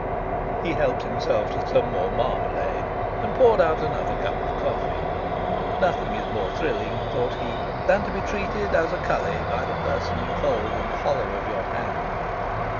He helped himself to some more marmalade, and poured out another cup of coffee. Nothing is more thrilling, thought he, than to be treated as a cully by the person you hold in the hollow of your hand.